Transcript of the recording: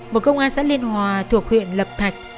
một công an xã liên hòa thuộc huyện lập thạch